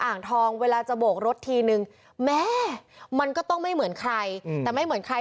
อ่างทองเวลาจะโบกรถทีนึงแม่มันก็ต้องไม่เหมือนใครแต่ไม่เหมือนใคร